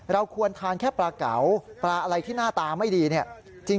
เราควรทานแค่ปลาเก๋าปลาอะไรที่หน้าตาไม่ดีเนี่ย